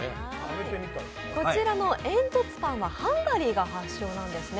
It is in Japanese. こちらの煙突パンはハンガリーが発祥なんですね。